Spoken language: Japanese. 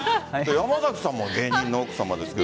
山崎さんも芸人の奥さんですけど。